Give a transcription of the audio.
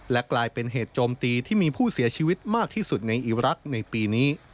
และกลายเป็นเหตุโจมตีที่มีผู้เสียชีวิตมากที่สุดในอีรักษ์ในปีนี้